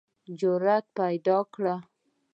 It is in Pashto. جرئت پیداکړئ